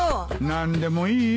何でもいいよ。